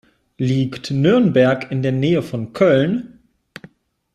Liegt Nürnberg in der Nähe von Köln?